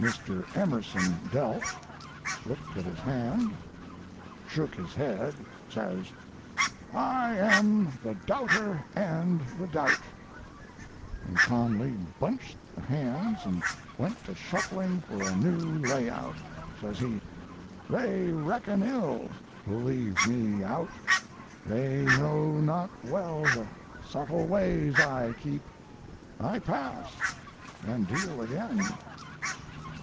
Mr. Emerson dealt, looked at his hand, shook his head, says: "'I am the doubter and the doubt ' and calmly bunched the hands and went to shuffling for a new lay out. Says he: "'They reckon ill who leave me out; They know not well the subtle ways I keep. I pass and deal again!'